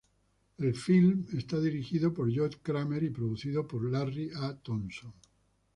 El film está dirigido por Lloyd Kramer y producido por Larry A. Thompson.